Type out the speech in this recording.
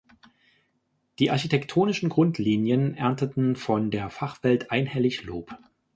Die architektonischen Grundlinien ernteten von der Fachwelt einhellig Lob.